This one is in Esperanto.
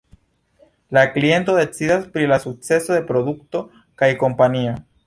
La kliento decidas pri la sukceso de produkto kaj kompanio.